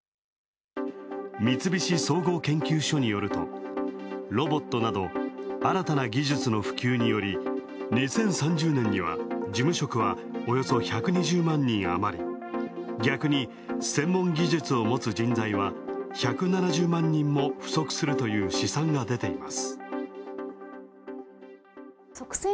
三菱総合研究所によるとロボットなど、新たな技術の普及により、２０３０年には事務職は、およそ１２０万人余り、逆に専門技術を持つ人材は、１７０万人も不足するという試算が出ています。